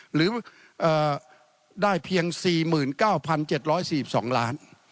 หรือได้เพียง๔๙๗๔๒ล้าน